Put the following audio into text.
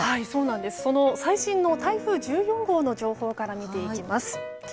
その最新の台風１４号の情報から見ていきます。